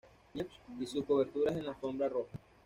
News" y sus coberturas en la alfombra roja.